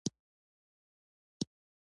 د ټولنې په اصلاح کې مرسته وکړئ.